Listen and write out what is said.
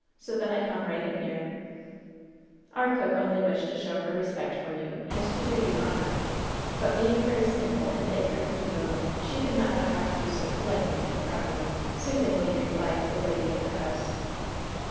So then I come right in here." "Our cook only wished to show her respect for you, and to do you honor; but, being a very simple and ignorant negro woman, she did not know how to do so politely and properly," soothingly replied the lady of the house.